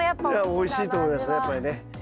おいしいと思いますねやっぱりね。